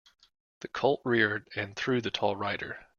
The colt reared and threw the tall rider.